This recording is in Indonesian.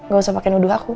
gak usah pake nuduh aku